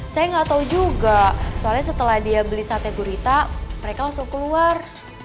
saya nggak tahu juga soalnya setelah dia beli sate gurita mereka langsung keluar